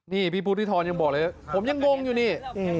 นี่พี่พุทธิธรยังบอกเลยผมยังงงอยู่นี่